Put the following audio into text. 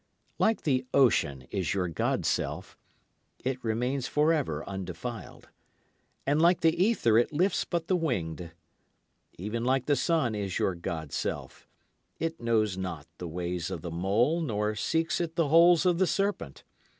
Like the ocean is your god self; It remains for ever undefiled. And like the ether it lifts but the winged. Even like the sun is your god self; It knows not the ways of the mole nor seeks it the holes of the serpent.